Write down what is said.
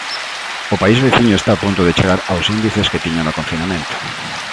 O país veciño está a punto de chegar aos índices que tiña no confinamento.